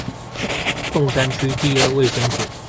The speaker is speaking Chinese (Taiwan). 鳳山區第二衛生所